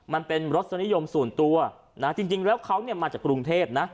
มันเป็นรสนิยมส่วนตัวจริงแล้วเขามาจากกรุงเทพฯ